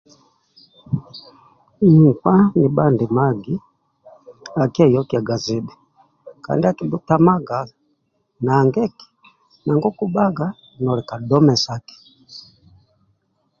Nkpa nibhandimagi akieyokiaga zidhi kandi akibhutamaga nanga eki nanga okubhaga noli ka dhomesaki